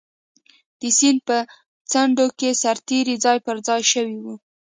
د سیند په څنډو کې سرتېري ځای پر ځای شوي وو.